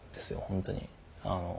本当に。